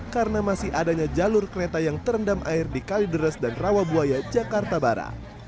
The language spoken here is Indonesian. karena masih adanya jalur kereta yang terendam air di kalideres dan rawabuaya jakarta barat